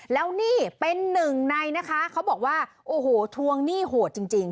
แล้วนี่เป็นหนึ่งในนะคะเขาบอกว่าโอ้โหทวงหนี้โหดจริง